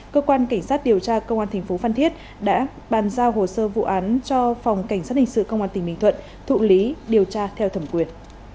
cơ quan kiểm sát điều tra công an tp phan thiết đã bàn giao hồ sơ vụ án cho phòng kiểm sát hình sự công an tp bình thuận thụ lý điều tra theo thẩm quyền